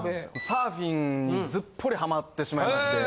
サーフィンにずっぽりはまってしまいまして。